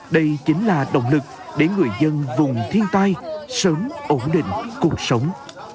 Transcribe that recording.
đây chính là động lực để người dân vùng thiên tai sớm ổn định cuộc sống